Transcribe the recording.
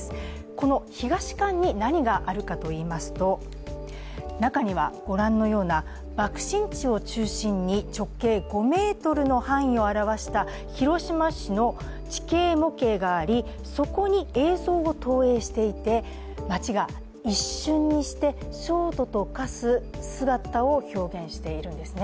この東館に何があるかといいますと、中には爆心地を中心に直径５ｍの範囲を表した広島市の地形模型があり、そこに映像を投影していて町が一瞬にして焦土と化す姿を示しているんですね。